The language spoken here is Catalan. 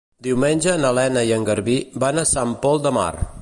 Diumenge na Lena i en Garbí van a Sant Pol de Mar.